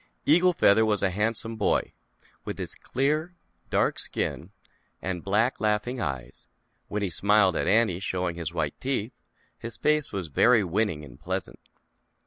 Eagle Feather was a handsome boy, with his clear, dark skin and black laughing eyes; when he smiled at Annie showing his white teeth, his face was very winning and pleasant.